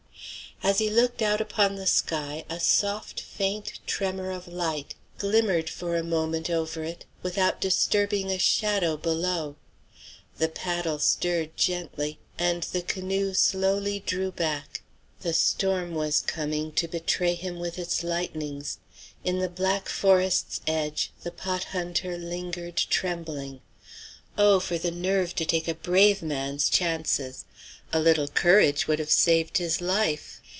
As he looked out upon the sky a soft, faint tremor of light glimmered for a moment over it, without disturbing a shadow below. The paddle stirred gently, and the canoe slowly drew back; the storm was coming to betray him with its lightnings. In the black forest's edge the pot hunter lingered trembling. Oh for the nerve to take a brave man's chances! A little courage would have saved his life.